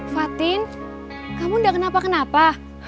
fatin kamu tidak kenapa kenapa